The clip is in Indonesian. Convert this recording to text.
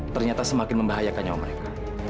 ternyata semakin membahayakan nyawa mereka